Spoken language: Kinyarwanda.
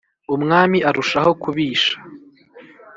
umwami arushaho kubisha